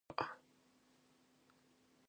遠くで鐘の音がした。